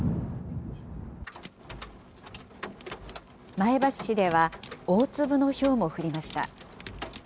前橋市では、大粒のひょうも降りました。